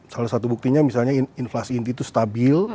salah satu buktinya misalnya inflasi inti itu stabil